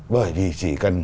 bởi vì chỉ cần